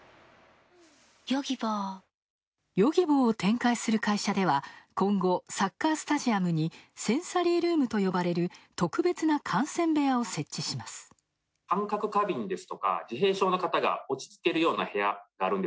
ヨギボーを展開する会社では今後、サッカースタジアムにセンサリールームと呼ばれる特別な観戦部屋を設置します。